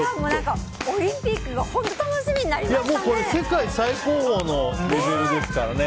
オリンピックが本当楽しみになりましたね。